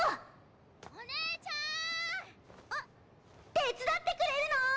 手伝ってくれるの？